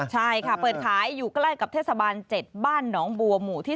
ใช่ค่ะเปิดขายอยู่ใกล้กับเทศบาล๗บ้านหนองบัวหมู่ที่๑